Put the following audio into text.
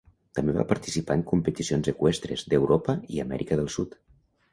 També va participar en competicions eqüestres d'Europa i Amèrica del Sud.